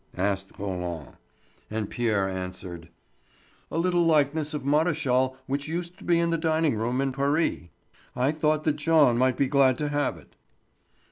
asked Roland. And Pierre answered: "A little likeness of Maréchal which used to be in the dining room in Paris. I thought that Jean might be glad to have it."